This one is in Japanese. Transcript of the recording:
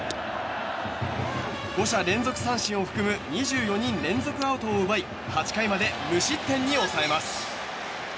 ５者連続三振を含む２４人連続アウトを奪い８回まで無失点に抑えます。